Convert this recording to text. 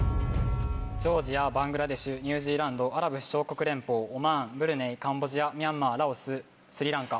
ジョージアバングラデシュニュージーランドアラブ首長国連邦オマーンブルネイカンボジアミャンマーラオススリランカ。